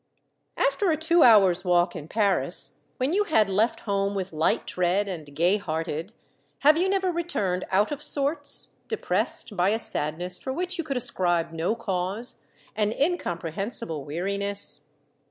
After a two hours' walk in Paris, when you had left home with light tread, and gay hearted, have you never returned out of sorts, depressed by a sadness for which you could ascribe no cause, an incomprehensible weariness?